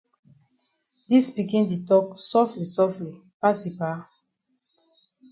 Dis pikin di tok sofli sofli pass yi pa.